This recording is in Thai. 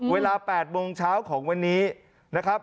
เวลา๘โมงเช้าของวันนี้นะครับ